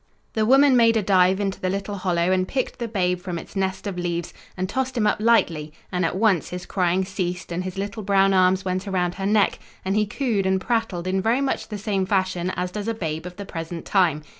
The woman made a dive into the little hollow and picked the babe from its nest of leaves and tossed him up lightly, and at once his crying ceased, and his little brown arms went around her neck, and he cooed and prattled in very much the same fashion as does a babe of the present time.